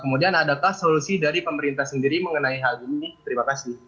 kemudian adakah solusi dari pemerintah sendiri mengenai hal ini terima kasih